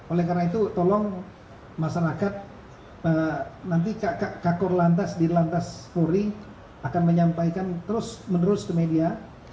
oleh karena itu tolong masyarakat nanti kakor lantas di lantas polri akan menyampaikan terus menerus ke media